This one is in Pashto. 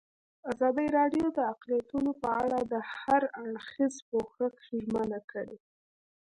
ازادي راډیو د اقلیتونه په اړه د هر اړخیز پوښښ ژمنه کړې.